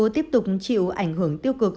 tiếp tục chịu ảnh hưởng tiêu cực